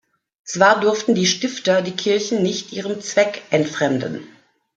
Zwar durften die Stifter die Kirchen nicht ihrem Zweck entfremden.